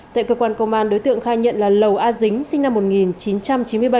tại cơ quan công an đối tượng khai nhận là lầu a dính sinh năm một nghìn chín trăm chín mươi bảy